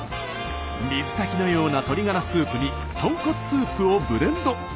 水炊きのような鶏がらスープにとんこつスープをブレンド。